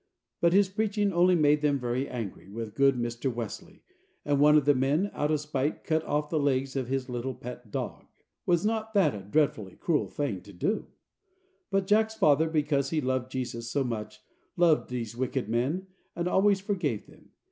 But his preaching only made them very angry with good Mr. Wesley, and one of the men, out of spite, cut off the legs of his little pet dog. Was not that a dreadfully cruel thing to do? But Jack's father, because he loved Jesus so much, loved these wicked men, and always forgave them.